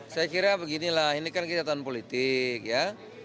saya kira beginilah ini kan kita tahun politik ya